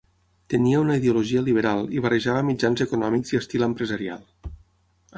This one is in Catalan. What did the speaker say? Tenia una ideologia liberal i barrejava mitjans econòmics i estil empresarial.